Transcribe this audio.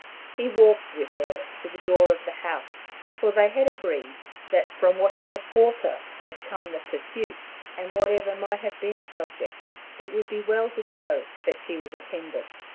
He walked with her to the door of the house; for they had agreed that, from whatever quarter had come the pursuit, and whatever might have been its object, it would be well to show that she was attended.